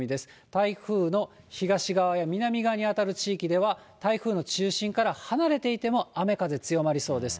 台風の東側や南側にあたる地域では、台風の中心から離れていても、雨、風強まりそうです。